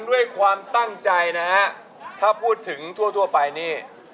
ด้วยความตั้งใจนะฮะถ้าพูดถึงทั่วไปนี่